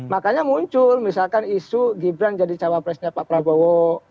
makanya muncul misalkan isu gibran jadi cawapresnya pak prabowo